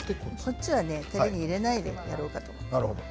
こっちはたれに入れないでやろうと思って。